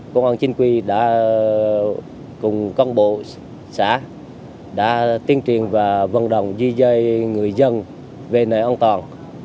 công an chính quy đã cùng con bộ xã đã tiên truyền và vận động di dời người dân về nơi an toàn